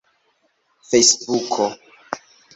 fejsbuko